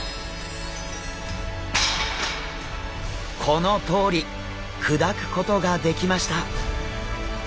このとおり砕くことができました。